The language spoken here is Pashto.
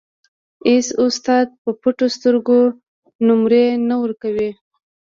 اېڅ استاد په پټو سترګو نومرې نه ورکوي.